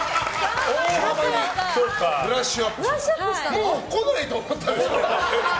もう来ないと思ってたでしょ。